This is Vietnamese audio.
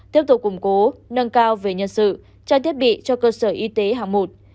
tiếp tục củng cố nâng cao về nhân sự trang thiết bị cho cơ sở y tế hàng một